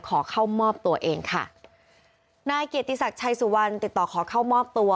ขอเข้ามอบตัวเองค่ะนายเกียรติศักดิ์ชัยสุวรรณติดต่อขอเข้ามอบตัว